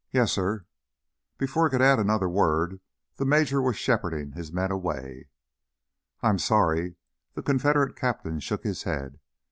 "Yes, suh." Before he could add another word the major was shepherding his men away. "I'm sorry." The Confederate captain shook his head.